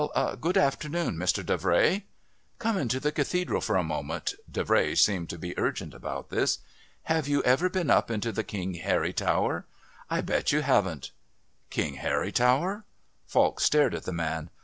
good afternoon, Mr. Davray." "Come into the Cathedral for a moment," Davray seemed to be urgent about this. "Have you ever been up into the King Harry Tower? I bet you haven't." "King Harry Tower?..." Falk stared at the man.